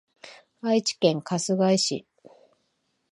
愛知県春日井市